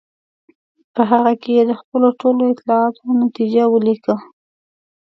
په هغه کې یې د خپلو ټولو اطلاعاتو نتیجه ولیکله.